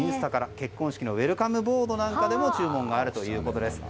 結婚式のウェルカムボードなんかでも注文があるということです。